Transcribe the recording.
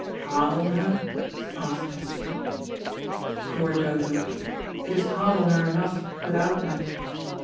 "Hard on her?" asked Chesterford. "Poor Dodo, it is hard on her enough without that.